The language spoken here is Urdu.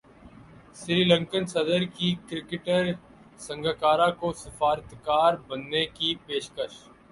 سری لنکن صدر کی کرکٹر سنگاکارا کو سفارتکار بننے کی پیشکش